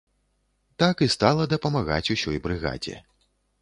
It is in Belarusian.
Так і стала дапамагаць усёй брыгадзе.